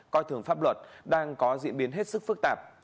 coi thường pháp luật đang có diễn biến hết sức phức tạp